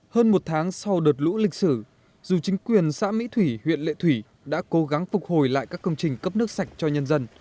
hơn một tháng sau đợt lũ lịch sử dù chính quyền xã mỹ thủy huyện lệ thủy đã cố gắng phục hồi lại các công trình cấp nước sạch cho nhân dân